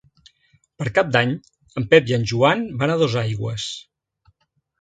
Per Cap d'Any en Pep i en Joan van a Dosaigües.